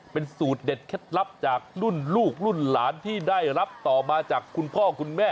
เป็นสูตรเด็ดเคล็ดลับจากรุ่นลูกรุ่นหลานที่ได้รับต่อมาจากคุณพ่อคุณแม่